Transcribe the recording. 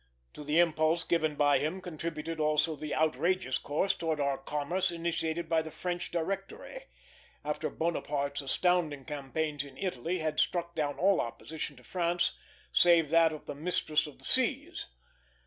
To the impulse given by him contributed also the outrageous course towards our commerce initiated by the French Directory, after Bonaparte's astounding campaigns in Italy had struck down all opposition to France save that of the mistress of the seas.